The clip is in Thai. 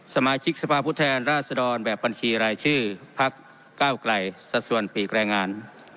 สมาชิกสภาพผู้แทนราชดรแบบบัญชีรายชื่อพักเก้าไกลสัดส่วนปีกแรงงาน